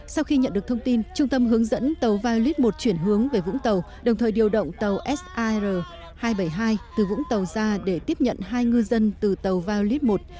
sau khi nhận được thông tin trung tâm hướng dẫn tàu violet một chuyển hướng về vũng tàu đồng thời điều động tàu sir hai trăm bảy mươi hai từ vũng tàu ra để tiếp nhận hai ngư dân từ tàu violet một